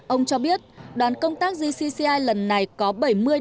ông cho biết đoàn công tác gcci lần này có bảy mươi